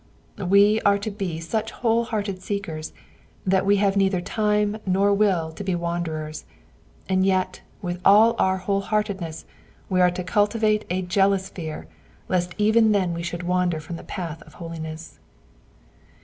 We are to be such whole hearted seekers that we have neither time nor will to be wan derers, and yet with all our whole heartedness we are to cultivate a jealous fear lest even then we should wander from the path of holiness.